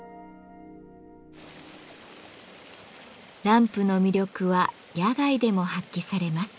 ランプの魅力は野外でも発揮されます。